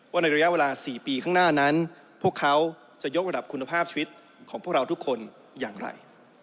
ในระยะเวลา๔ปีข้างหน้านั้นพวกเขาจะยกระดับคุณภาพชีวิตของพวกเราทุกคนอย่างไร